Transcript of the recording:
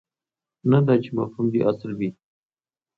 نه دا چې مفهوم دې اصل وي.